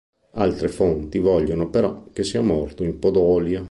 Altre fonti vogliono però che sia morto in Podolia.